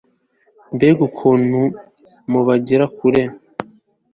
Mbega ukuntu mubagera kure